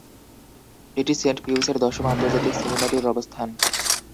এটি সেন্ট পিউসের দশম আন্তর্জাতিক সেমিনারির অবস্থান।